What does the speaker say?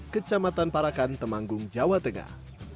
kecamatan parakan temanggung jawa tengah